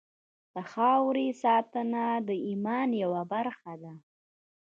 د خاورې ساتنه د ایمان یوه برخه ده.